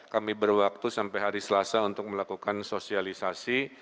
kami berwaktu sampai hari selasa untuk melakukan sosialisasi